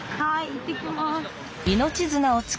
いってきます。